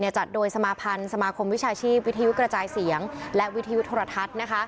จัดโดยสมาพันธ์สมาคมวิชาชีพวิทยุกระจายเสียงและวิทยุโทรทัศน์